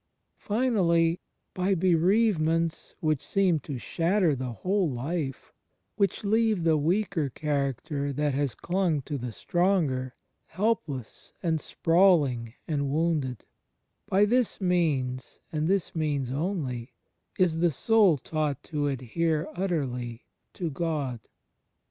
Finally, by bereavements which seem to shatter the whole life, which leave the weaker, character, that has climg to the stronger, helpless and sprawling and wounded — by this means and this means only is the soul taught to adhere utterly to Gk)d.